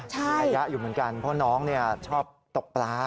ระยะอยู่เหมือนกันเพราะน้องชอบตกปลา